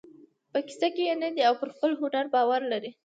په کیسه کې یې نه دی او پر خپل هنر باور لري.